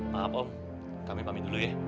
maaf om kami pamit dulu ya